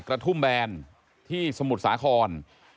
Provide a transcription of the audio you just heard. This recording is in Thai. กระทุ่มแบนที่สมุทรสาคร